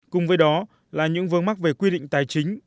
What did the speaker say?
cùng với đó là những vướng mắc về quy định tài chính